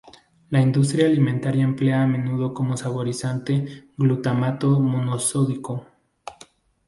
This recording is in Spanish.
La industria alimentaria emplea a menudo como saborizante glutamato monosódico.